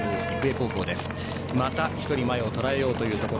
また１人とらえようというところ。